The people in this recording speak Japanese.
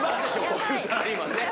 こういうサラリーマンね